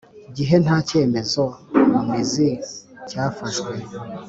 Gihe nta cyemezo mu mizi cyafashwe